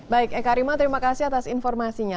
baik eka rima terima kasih atas informasinya